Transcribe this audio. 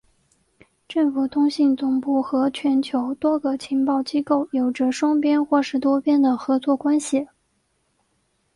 政府通信总部和全球多个情报机构有着双边或是多边的合作关系。